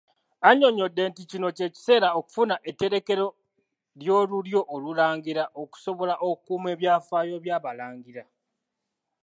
Anyonnyodde nti kino kye kiseera okufuna etterekero ly'olulyo Olulangira okusobola okukuuma ebyafaayo by'Abalangira.